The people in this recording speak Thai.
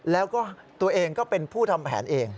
แล้วก็ตัวเองก็เป็นผู้ทำแผนเอง